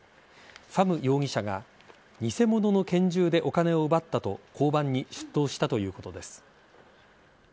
ファム容疑者が偽物の拳銃でお金を奪ったと交番に出頭したということです。